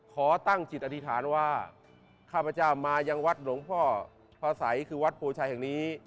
ขอตั้งจิตอธิษฐานว่าข้าพเจ้ามายังวัดหลวงพ่อพระสัยคือวัดโพชัยแห่งนี้